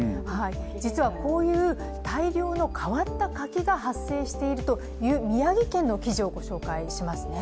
実はこういう大量の変わった柿が発生しているという宮城県の記事をご紹介しますね。